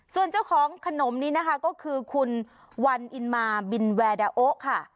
ส่วนเจ้าของขนมนี้นะคะก็คือคุณวันอินมาบินแวดาโอค่ะ